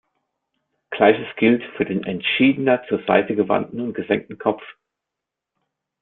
Gleiches gilt für den entschiedener zur Seite gewandten und gesenkten Kopf.